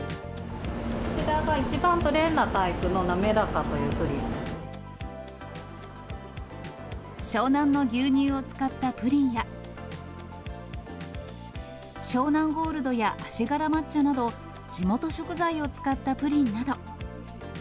こちらが一番プレーンなタイ湘南の牛乳を使ったプリンや、湘南ゴールドや足柄抹茶など、地元食材を使ったプリンなど。